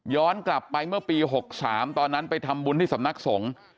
กลับไปเมื่อปี๖๓ตอนนั้นไปทำบุญที่สำนักสงฆ์